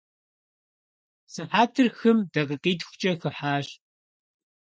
Сыхьэтыр хым дакъикъитхукӏэ хыхьащ.